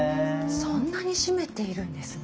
そんなに占めているんですね。